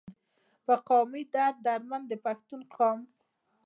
پۀ قامي درد دردمند د پښتون قام